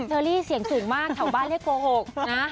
เธอลีเสียงสูงมากเชาบ้านให้โกหก